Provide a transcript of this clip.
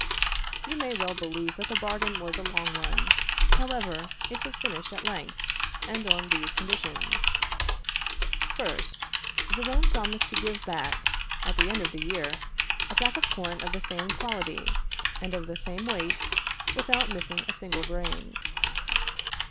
_" You may well believe that the bargain was a long one. However, it was finished at length, and on these conditions: First Jerome promised to give back, at the end of the year, a sack of corn of the same quality, and of the same weight, without missing a single grain.